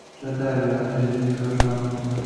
这代表了在技术上确定恒星半径的两难状况。